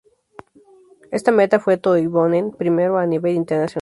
Esta meta fue Toivonen primero a nivel internacional.